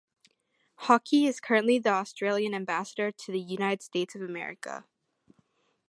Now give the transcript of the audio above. Hockey is curreny the Australian Ambassador to the United States of America.